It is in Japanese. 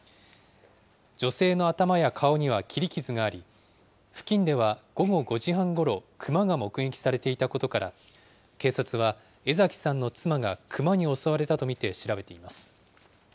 女性の頭や顔には切り傷があり、付近では午後５時半ごろ、クマが目撃されていたことから、警察は江ざきさんの妻がクマに襲われたと見て調べています。